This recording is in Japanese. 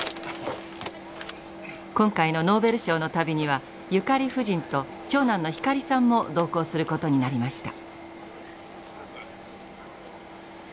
今回のノーベル賞の旅にはゆかり夫人と長男の光さんも同行することになりました。